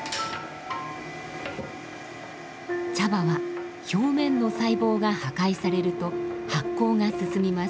茶葉は表面の細胞が破壊されると発酵が進みます。